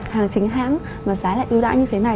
hàng chính hãng mà giá lại yêu đáy như thế này